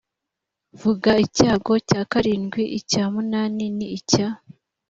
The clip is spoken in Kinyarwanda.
vuga icyago cya karindwi icya munani n icya